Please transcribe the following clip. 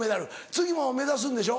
次も目指すんでしょ？